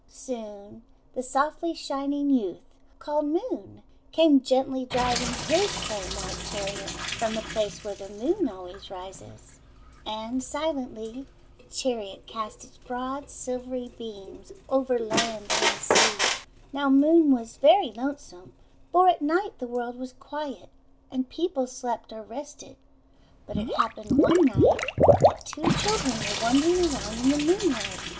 Soon the softly shining youth, called Moon, came gently driving his flame white chariot from the place where the Moon always rises. And silently the chariot cast its broad, silvery beams over land and sea. Now Moon was very lonesome, for at night the world was quiet, and people slept or rested. But it happened one night that two children were wandering around in the moonlight.